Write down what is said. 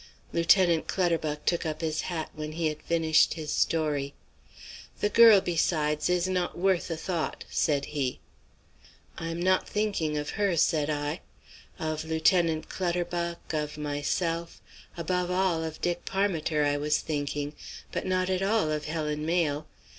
Lieutenant Clutterbuck took up his hat when he had finished his story, "The girl, besides, is not worth a thought," said he. "I am not thinking of her," said I. Of Lieutenant Clutterbuck, of myself, above all of Dick Parmiter, I was thinking, but not at all of Helen Mayle.